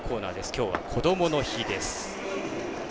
きょうはこどもの日です。